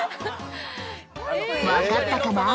わかったかな？